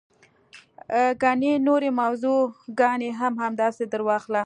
ګڼې نورې موضوع ګانې هم همداسې درواخله.